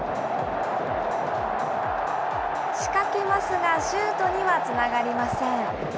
仕掛けますが、シュートにはつながりません。